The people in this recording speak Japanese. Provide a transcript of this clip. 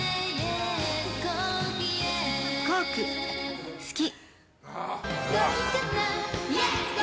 コーク、好き。